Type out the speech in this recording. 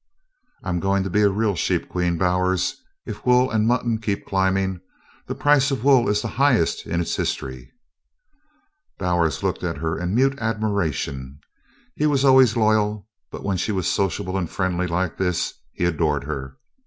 "I'm going to be a real Sheep Queen, Bowers, if wool and mutton keep climbing. The price of wool is the highest in its history." Bowers looked at her in mute admiration. He was always loyal, but when she was sociable and friendly like this he adored her.